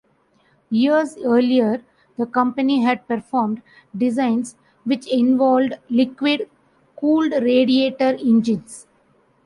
Years earlier, the company had performed designs which involved liquid-cooled radiator engines.